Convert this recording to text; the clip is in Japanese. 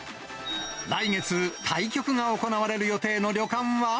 来月、対局が行われる予定の旅館は。